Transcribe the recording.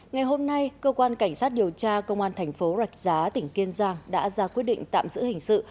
ngày hôm nay cơ quan cảnh sát điều tra công an thành phố rạch giá tỉnh kiên giang đã ra quyết định tạm giữ hình sự